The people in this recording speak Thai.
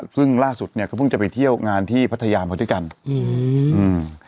ซึ่งล่าสุดเนี้ยก็เพิ่งจะไปเที่ยวงานที่พัทยามาด้วยกันอืมอืม